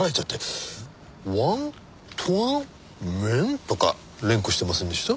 「ワンタン麺」とか連呼してませんでした？